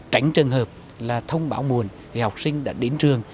tránh trường hợp là thông báo muộn về học sinh đã đến trường